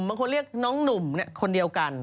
บางคนเรียกน้องหนุ่มคนเดียวกัน